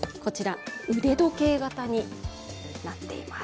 腕時計形になっています。